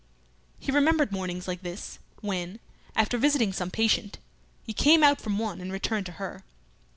He remembered mornings like this, when, after visiting some patient, he came out from one and returned to her.